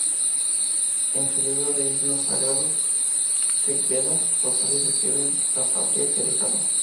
En su libro de himnos sagrados, "Rig-veda", los arios describen la patria que dejaron.